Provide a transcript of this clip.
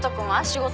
仕事？